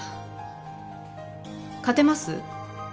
勝てます？